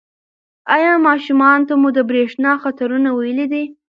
ایا ماشومانو ته مو د برېښنا د خطرونو ویلي دي؟